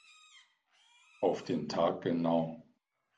Auf den Tag genau.